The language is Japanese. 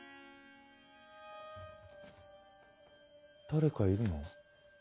誰かいるの？